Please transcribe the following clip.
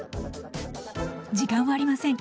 時間はありません。